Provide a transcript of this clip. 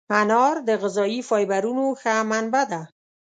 انار د غذایي فایبرونو ښه منبع ده.